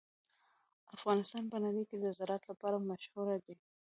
افغانستان په نړۍ کې د زراعت لپاره مشهور دی.